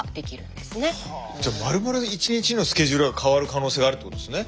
じゃまるまる一日のスケジュールが変わる可能性があるってことですね。